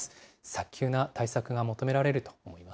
早急な対策が求められると思いま